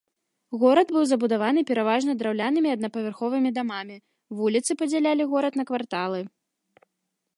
Горад быў забудаваны пераважна драўлянымі аднапавярховымі дамамі, вуліцы падзялялі горад на кварталы.